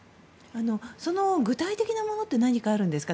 その具体的なものって何かあるんですか？